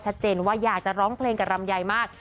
ชัดเจนว่าอยากจะร้องเพลงกับลำไยมาก